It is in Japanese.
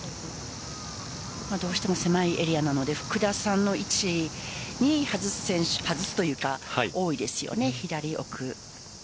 どうしても狭いエリアなので福田さんの位置に外すというか多いですよね、左奥。